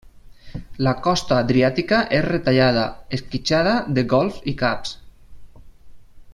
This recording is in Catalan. La costa adriàtica és retallada, esquitxada de golfs i caps.